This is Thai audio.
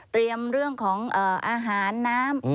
เรื่องของอาหารน้ำ